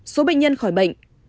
số bệnh nhân khỏi bệnh